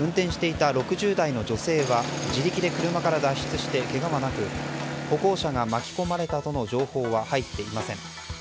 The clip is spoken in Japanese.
運転していた６０代の女性は自力で車から脱出してけがはなく歩行者が巻き込まれたとの情報は入っていません。